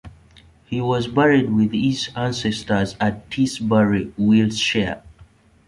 He was buried with his ancestors at Tisbury, Wiltshire.